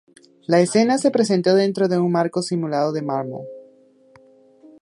La escena se presenta dentro de un marco simulado de mármol.